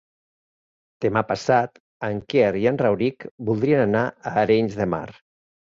Demà passat en Quer i en Rauric voldrien anar a Arenys de Mar.